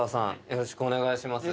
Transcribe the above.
よろしくお願いします。